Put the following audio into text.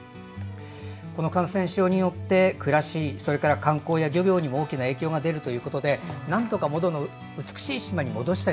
この感染症によって暮らし、それから観光や漁業にも大きな影響が出るということでなんとか元の美しい島に戻したい。